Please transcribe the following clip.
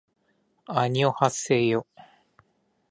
あにょはせよ